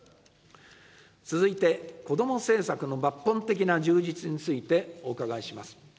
続いて、子ども政策の抜本的な充実についてお伺いします。